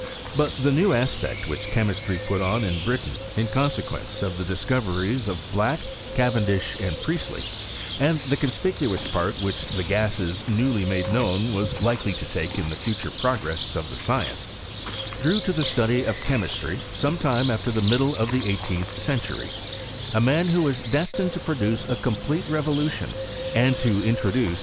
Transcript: But the new aspect which che mistry put on in Britain in consequence of the dis coveries of Black, Cavendish, and Priestley, and the eonspicuous part which the gases newly made known Was likely to take in the future progress of the Science, drew to the study of chemistry, sometime after the middle of the eighteenth century, a man Vho was destined to produce a complete revolution, ^nd to introduce